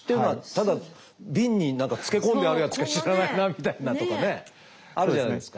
ただ瓶に何か漬け込んであるやつしか知らないなみたいなのとかねあるじゃないですか。